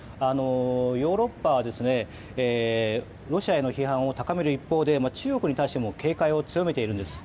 ヨーロッパはロシアへの批判を高める一方で中国に対しても警戒を強めているんです。